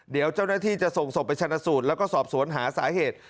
เดี๋ยวเจ้าหน้าที่จะส่งศพไปชนะสูตรแล้วก็สอบสวนหาสาเหตุ